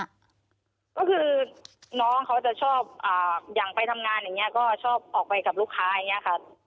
ก็คือน้องเขาจะชอบอย่างไปทำงานอย่างนี้ก็ชอบออกไปกับลูกค้าอย่างนี้ค่ะ